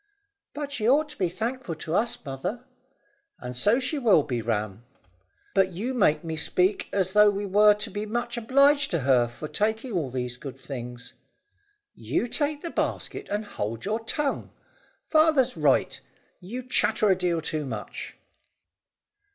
"But she ought to be thankful to us, mother?" "And so she will be, Ram?" "But you make me speak as though we were to be much obliged to her for taking all these good things." "You take the basket, and hold your tongue. Father's right, you chatter a deal too much."